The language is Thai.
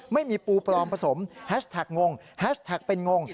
ไม่มีปูปลอมผสมแฮชแท็กงงแฮชแท็กเป็นงง